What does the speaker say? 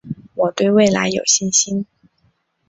我对未来有信心